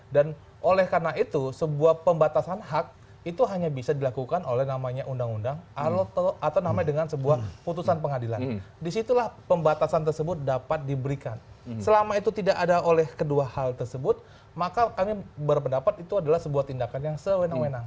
dan oleh karena itu sebuah pembatasan hak itu hanya bisa dilakukan oleh namanya undang undang atau namanya dengan sebuah putusan pengadilan disitulah pembatasan tersebut dapat diberikan selama itu tidak ada oleh kedua hal tersebut maka kami berpendapat itu adalah sebuah tindakan yang sewenang wenang